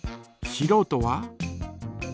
しろうとは？